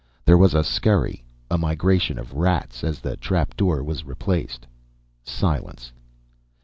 There was a scurry, a migration of rats, as the trap door was replaced;... silence.